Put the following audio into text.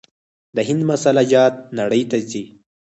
د هند مساله جات نړۍ ته ځي.